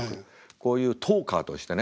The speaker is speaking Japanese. こういうトーカーとしてね